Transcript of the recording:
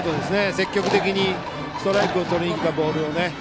積極的にストライクを取りに来たボールをね。